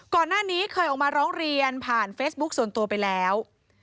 ก่อนหน้านี้เคยออกมาร้องเรียนผ่านเฟซบุ๊คส่วนตัวไปแล้ว